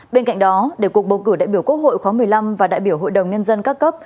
bên cạnh đó để cuộc bầu cử đại biểu quốc hội khóa một mươi năm và đại biểu hội đồng nhân dân các cấp